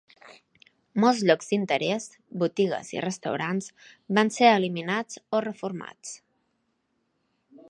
Molts llocs d'interès, botigues i restaurants van ser eliminats o reformats.